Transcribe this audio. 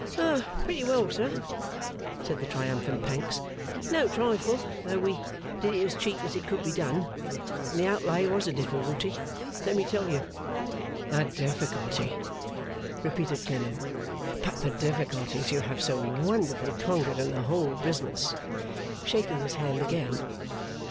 'Pretty well, sir,' said the triumphant Pancks. 'No trifle, though we did it as cheap as it could be done. And the outlay was a difficulty, let me tell you.' 'A difficulty!' repeated Clennam. 'But the difficulties you have so wonderfully conquered in the whole business!' shaking his hand again.